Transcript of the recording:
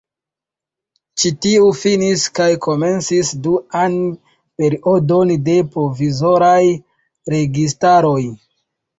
Ĉi tiu finis kaj komencis duan periodon de provizoraj registaroj.